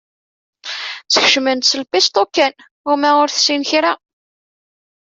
Sskecmen-tt s lpisṭu kan, uma ur tessin kra.